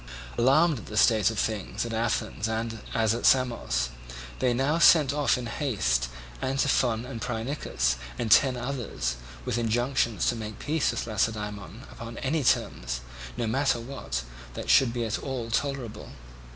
Alarmed at the state of things at Athens as at Samos, they now sent off in haste Antiphon and Phrynichus and ten others with injunctions to make peace with Lacedaemon upon any terms, no matter what, that should be at all tolerable.